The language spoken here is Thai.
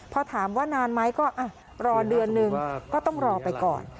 พอถามว่านานไหมก็รอเดือนหนึ่งก็ต้องรอไปก่อน